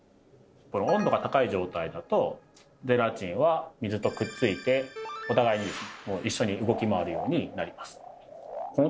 温度が高い状態だとゼラチンは水とくっついてお互いに一緒に動き回るようになります。